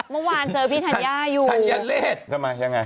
เมื่อวานเจอพี่ธัญญาอยู่ใช่แ